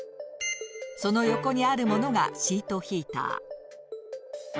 その横にあるものがシートヒーター。